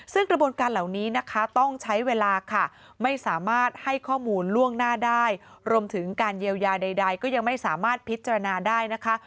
ซึ่งกระบวนการเหล่านี้นะคะต้องใช้เวลาค่ะไม่สามารถให้ข้อมูลล่วงหน้าได้รวมถึงการเยียวยาใดก็ยังไม่สามารถพิจารณาได้นะคะ